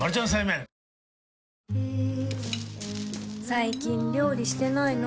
最近料理してないの？